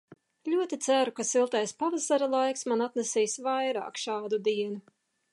Ļoti ceru, ka siltais pavasara laiks man atnesīs vairāk šādu dienu.